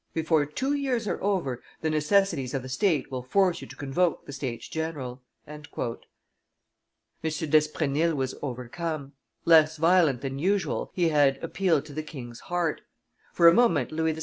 Before two years are over, the necessities of the state will force you to convoke the States general." M. d'Espremesnil was overcome; less violent than usual, he had, appealed to the king's heart; for a moment Louis XVI.